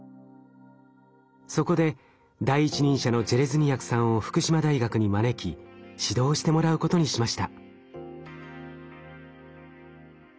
そこで第一人者のジェレズニヤクさんを福島大学に招き指導してもらうことにしました。